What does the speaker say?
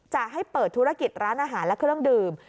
จะให้เปิดธุรกิจร้านอาหารและเครื่องดื่ม